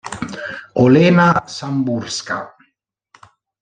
Olena Samburs'ka